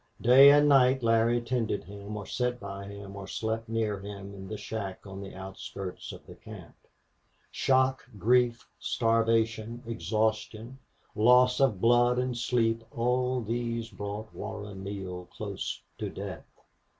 Day and night Larry tended him or sat by him or slept near him in a shack on the outskirts of the camp. Shock, grief, starvation, exhaustion, loss of blood and sleep all these brought Warren Neale close to death.